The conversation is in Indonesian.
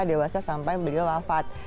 dewasa sampai beliau wafat